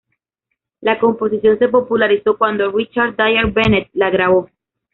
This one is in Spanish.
La composición se popularizó cuando Richard Dyer-Bennett la grabó.